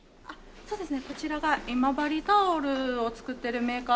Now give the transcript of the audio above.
そうですね。